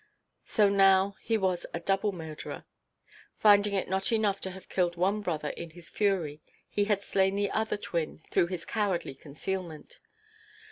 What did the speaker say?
So now he was a double murderer. Finding it not enough to have killed one brother in his fury, he had slain the other twin through his cowardly concealment.